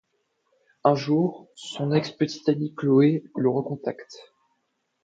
Un jour, son ex petite amie Chloé le recontacte.